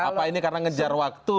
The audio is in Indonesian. apa ini karena ngejar waktu